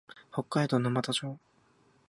北海道沼田町